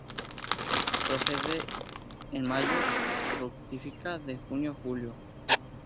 Florece en Mayo; fructifica de Junio a Julio.